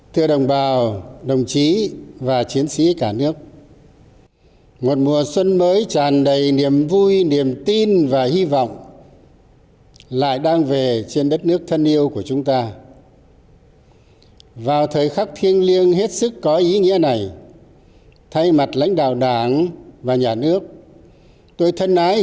thưa đồng bào đồng chí và chiến sĩ cả nước một mùa xuân mới tràn đầy niềm vui niềm tin và hy vọng lại đang về trên đất nước thân